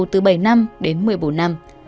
từ bảy năm đến một mươi bốn năm